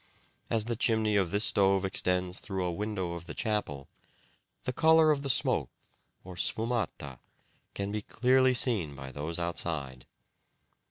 As the chimney of this stove extends through a window of the chapel, the colour of the smoke or sfumata can be clearly seen by those outside.